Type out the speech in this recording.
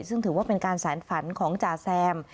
ซึ่งถือว่าเป็นการสารฝันของจ่าแซม